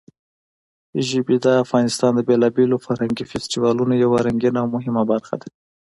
ژبې د افغانستان د بېلابېلو فرهنګي فستیوالونو یوه رنګینه او مهمه برخه ده.